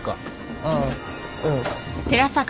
ああうん